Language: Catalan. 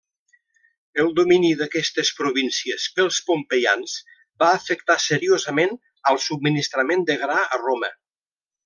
El domini d'aquestes províncies pels pompeians va afectar seriosament al subministrament de gra a Roma.